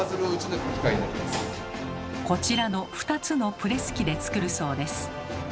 こちらの２つのプレス機で作るそうです。